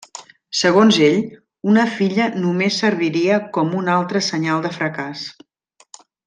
Segons ell, una filla només serviria com un altre senyal de fracàs.